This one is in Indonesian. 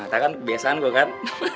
nah itu kan kebiasaan gue kan